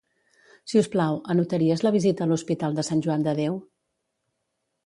Si us plau, anotaries la visita a l'Hospital de Sant Joan de Déu?